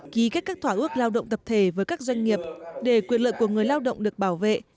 ký kết các thỏa ước lao động tập thể với các doanh nghiệp để quyền lợi của người lao động được bảo vệ